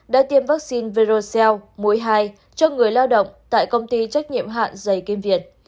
đã tiêm vaccine verocell mũi hai cho người lao động tại công ty trách nhiệm hạn giày kim việt